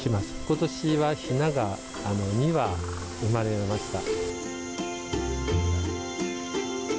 ことしはひなが２羽、生まれました。